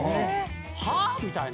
はぁ⁉みたいな。